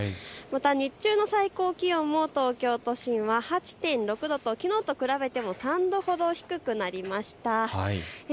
また日中の最高気温も東京都心は８．６度ときのうと比べても３度ほど低くなりました。